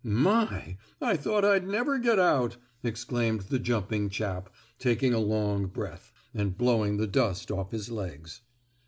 "My! I thought I'd never get out!" exclaimed the jumping chap, taking a long breath, and blowing the dust off his legs.